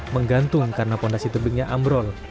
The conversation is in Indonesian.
menggantung karena fondasi tebingnya ambrol